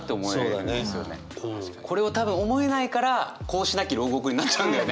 これを多分思えないから「格子なき牢獄」になっちゃうんだよね。